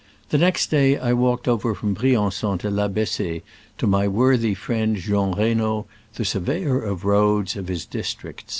The next day I walked over from Brian 9on to La Bess6e, to my worthy friend Jean Reynaud, the surveyor of roads of his district.